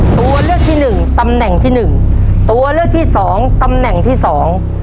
ตัวเลือกที่หนึ่งตำแหน่งที่หนึ่งตัวเลือกที่สองตำแหน่งที่สอง